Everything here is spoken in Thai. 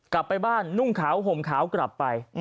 กลับไปบ้านนุ่งขาวห่มขาวกลับไป